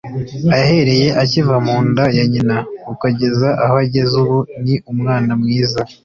ahereye akiva mu nda ya nyina ukageza aho ageze ubu ni umwana mwiza